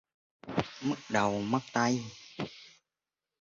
mất đầu, mất tay